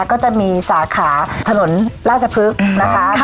ก็จะมีสาขาถนนราชพฤกษ์นะคะ